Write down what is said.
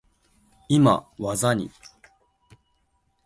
今、技に…。